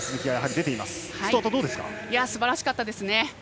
すばらしかったですね。